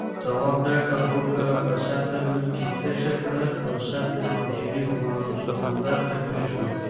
تواب ډکه بوکه په سطل کې تشه کړه، سطل يې کوچني سخوندر ته کېښود.